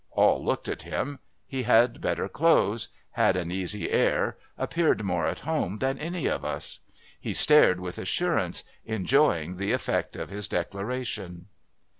All looked at him. He had better clothes, had an easy air, appeared more at home than any of us; he stared with assurance, enjoying the effect of his declaration."